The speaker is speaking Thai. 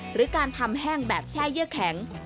หรือการทำแห้งแบบแช่เยื่อแข็ง